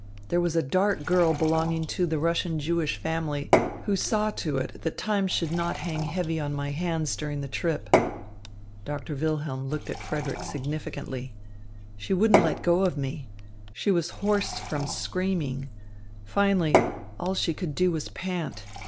"There was a dark girl belonging to the Russian Jewish family who saw to it that time should not hang heavy on my hands during the trip." Doctor Wilhelm looked at Frederick significantly. "She wouldn't let go of me. She was hoarse from screaming. Finally, all she could do was pant.